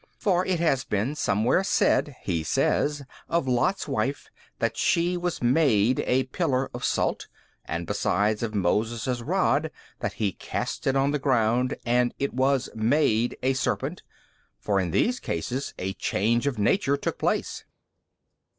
For it has been somewhere said (he says) of Lot's wife that she WAS MADE a pillar of salt, and besides of Moses' Rod that he cast it on the ground and it WAS MADE a serpent. For in these cases a change of nature took place.